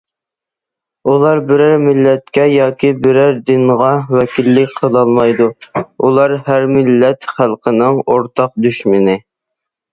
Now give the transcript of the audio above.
ئۇلار بىرەر مىللەتكە ياكى بىرەر دىنغا ۋەكىللىك قىلالمايدۇ، ئۇلار ھەر مىللەت خەلقىنىڭ ئورتاق دۈشمىنى.